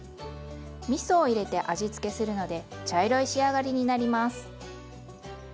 みそを入れて味付けするので茶色い仕上がりになります。